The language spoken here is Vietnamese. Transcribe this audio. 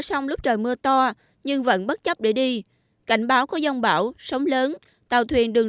sông lúc trời mưa to nhưng vẫn bất chấp để đi cảnh báo có dông bão sóng lớn tàu thuyền đường